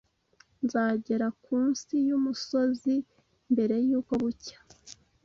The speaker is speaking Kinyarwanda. Nzagera ku nsi y'umusozi mbere yuko bucya.